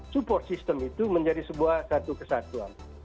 support system itu menjadi sebuah satu kesatuan